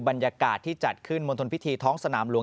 บรรยากาศที่จัดขึ้นมณฑลพิธีท้องสนามหลวง